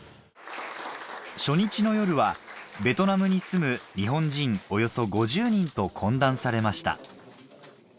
初日の夜はベトナムに住む日本人およそ５０人と懇談されました